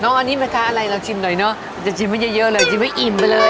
น้องอันนี้นะคะอะไรเราชิมหน่อยเนอะจะชิมไว้เยอะเยอะเลยจะชิมไว้อิ่มไปเลย